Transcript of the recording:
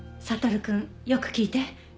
悟くんよく聞いて。